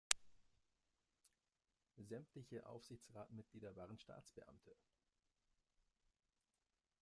Sämtliche Aufsichtsratsmitglieder waren Staatsbeamte.